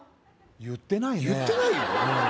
言ってないね言ってないよ